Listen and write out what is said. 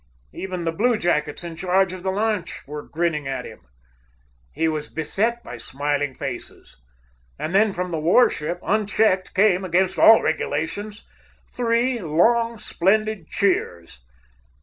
Even the bluejackets in charge of the launch were grinning at him. He was beset by smiling faces. And then from the war ship, unchecked, came, against all regulations, three long, splendid cheers.